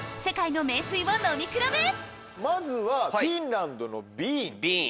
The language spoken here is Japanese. まずはフィンランドのＶＥＥＮ。